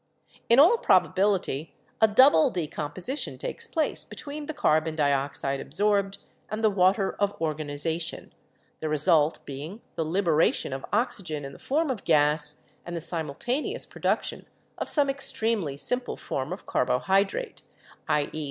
In all probability a double decomposition takes place between the carbon dioxide absorbed and the water of organization, the result being the liberation of oxygen in the form of gas and the simultaneous production of some extremely simple form of carbohydrate — i.e.